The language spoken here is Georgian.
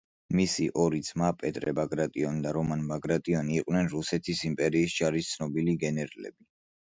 მისი ორი ძმა პეტრე ბაგრატიონი და რომან ბაგრატიონი იყვნენ რუსეთის იმპერიის ჯარის ცნობილი გენერლები.